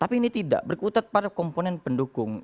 tapi ini tidak berkutat pada komponen pendukung